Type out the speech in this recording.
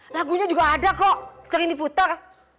lagunya juga ada kok sering diputar